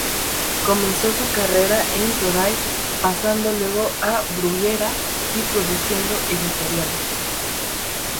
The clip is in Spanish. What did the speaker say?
Comenzó su carrera en Toray, pasando luego a Bruguera y Producciones Editoriales.